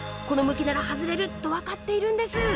この向きなら外れると分かっているんです！